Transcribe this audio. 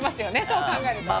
そう考えると。